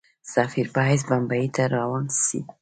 سفیر په حیث بمبیی ته روان سي.